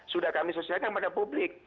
sudah kami selesaikan pada publik